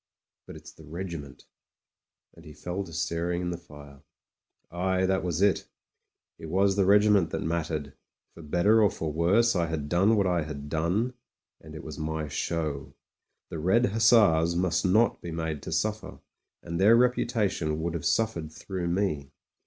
But it's the regiment" And he fell to staring at the fire. Aye, that was it It was the regiment that mattered. For better or for worse I had done what I had done, and it was my show. The Red Hussars must not be made to suffer; and their reputation would have suf fered through me.